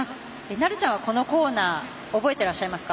なるちゃんはこのコーナー覚えてらっしゃいますか？